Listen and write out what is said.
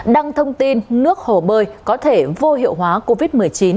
đăng thông tin nước hồ bơi có thể vô hiệu hóa covid một mươi chín